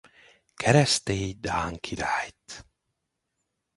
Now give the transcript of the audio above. Keresztély dán királyt.